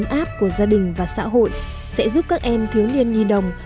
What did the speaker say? ấm áp của gia đình và xã hội sẽ giúp các em thiếu niên nhi đồng